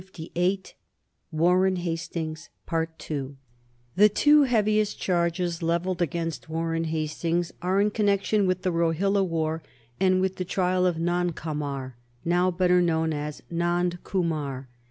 [Sidenote: 1773 Hastings and the Rohilla War] The two heaviest charges levelled against Warren Hastings are in connection with the Rohilla war and with the trial of Nuncomar, now better known as Nand Kumar.